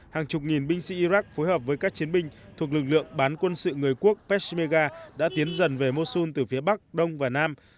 hàng chục nghìn binh sĩ iraq phối hợp với các chiến binh thuộc lực lượng bán quân sự người quốc pesega đã tiến dần về mosun từ phía bắc đông và nam